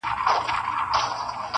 • واه زرګر چناره دسروزرو منګوټي راغله..